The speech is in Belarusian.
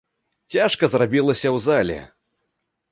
Цяжка зрабілася ў зале.